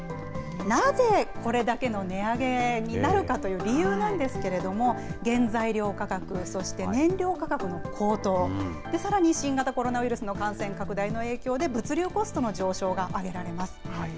なぜ、これだけの値上げになるかという理由なんですけれども、原材料価格、そして燃料価格の高騰、さらに、新型コロナウイルスの感染拡大の影響で、物流コストの上昇が挙げられます。